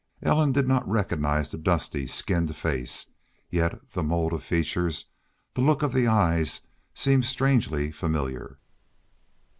Ellen did not recognize the dusty, skinned face, yet the mold of features, the look of the eyes, seemed strangely familiar.